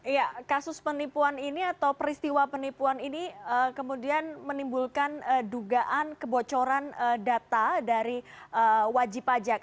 iya kasus penipuan ini atau peristiwa penipuan ini kemudian menimbulkan dugaan kebocoran data dari wajib pajak